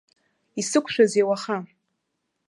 Исықәшәазеи уаха?